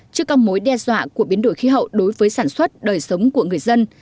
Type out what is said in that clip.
trước các mối đe dọa của biến đổi khí hậu đối với sản xuất đời sống của người dân